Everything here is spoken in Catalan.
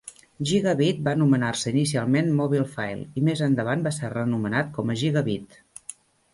Gigabeat va anomenar-se inicialment MobilPhile i més endavant va ser reanomenat com a Gigabeat.